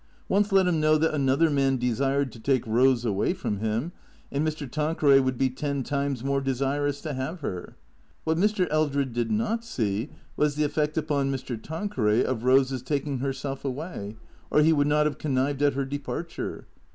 Once let him know that another man desired to take Eose away from him and Mr. Tan queray would be ten times more desirous to have her. What Mr. Eldred did not see was the effect upon Mr. Tanqueray of Eose's taking herself away, or he would not have connived at her departure.